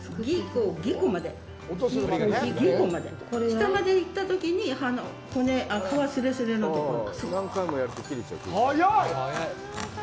下まで行ったときに皮すれすれのところ。